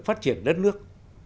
phát triển đất nước